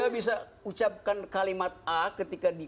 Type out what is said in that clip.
dia bisa ucapkan kalimat a ketika di